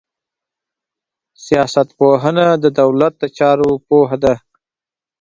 سياست پوهنه د دولت د چارو پوهه ده.